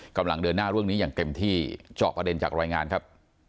กำลังเดินหน้าเรื่องนี้อย่างเต็มที่เจาะประเด็นจากรายงานครับ